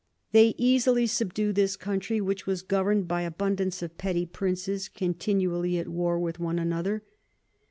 They easily subdu'd this Country, which was govern'd by abundance of petty Princes continually at war with one another.